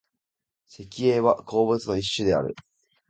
石英は鉱物の一種である。